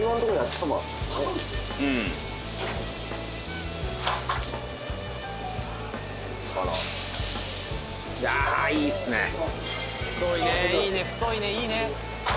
太いねいいね太いねいいね